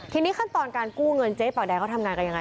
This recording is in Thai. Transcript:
ทีนี้ขั้นตอนการกู้เงินเจ๊ป่าแดงเขาทำงานกันยังไง